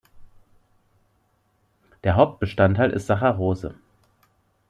Der Hauptbestandteil ist Saccharose.